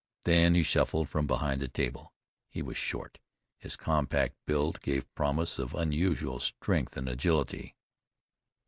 Then he shuffled from behind the table. He was short, his compact build gave promise of unusual strength and agility.